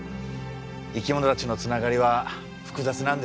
生き物たちのつながりは複雑なんです。